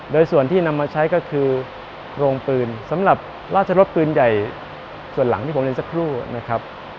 โดยส่วนที่นำมาใช้ก็คือโรงปืนสำหรับราชรสปืนใหญ่ส่วนหลังที่ผมเรียนสักครู่นะครับ